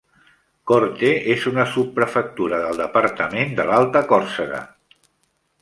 Corte és una subprefectura del departament de l'Alta Còrsega.